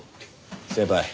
先輩。